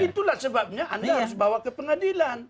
itulah sebabnya anda harus bawa ke pengadilan